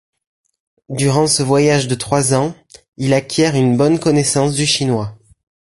Durant ce voyage de trois ans, il acquiert une bonne connaissance du chinois.